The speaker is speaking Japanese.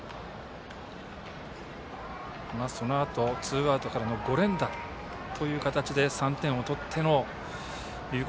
そのあとツーアウトからの５連打という形で３点を取っての龍谷